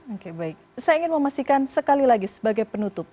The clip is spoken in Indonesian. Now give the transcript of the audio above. oke baik saya ingin memastikan sekali lagi sebagai penutup